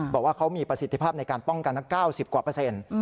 บอกว่าเขามีประสิทธิภาพในการป้องกัน๙๐กว่าเปอร์เซ็นต์